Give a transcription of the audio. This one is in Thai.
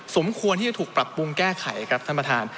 สมควรที่จะถูกปรับปรุงแก้ไขครับท่านประธาน